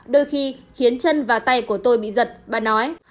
đôi khi khiến chân và tay của tôi bị giật bà nói